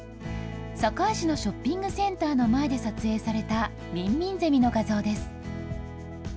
堺市のショッピングセンターの前で撮影されたミンミンゼミの画像です。